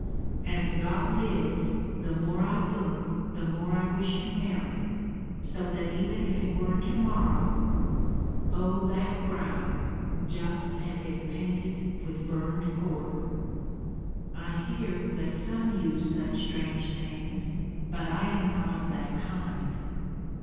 As God lives, the more I look the more I wish to marry; so that even if it were to morrow Oh, that brow, just as if painted with burned cork!" "I hear that some use such strange things, but I am not of that kind."